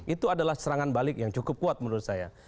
itu adalah serangan balik yang cukup kuat menurut saya